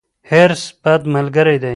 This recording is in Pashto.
حرص، بد ملګری دی.